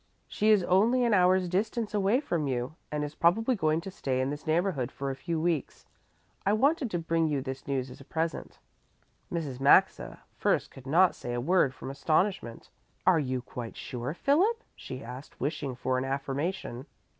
She is only an hour's distance away from you and is probably going to stay in this neighborhood for a few weeks. I wanted to bring you this news as a present." Mrs. Maxa first could not say a word from astonishment. "Are you quite sure, Philip?" she asked, wishing for an affirmation.